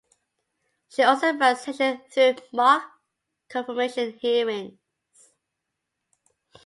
She also ran Sessions through mock confirmation hearings.